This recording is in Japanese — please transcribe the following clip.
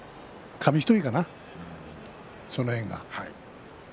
紙一重かな、その辺りがね。